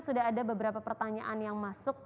sudah ada beberapa pertanyaan yang masuk